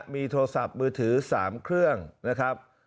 มีโทรศัพท์มือถือ๓เครื่องนะครับ